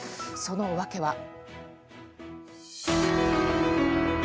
その訳は。